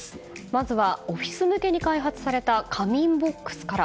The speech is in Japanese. まずは、オフィス向けに開発された仮眠ボックスから。